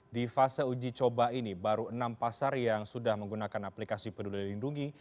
di fase uji coba ini baru enam pasar yang sudah menggunakan aplikasi peduli lindungi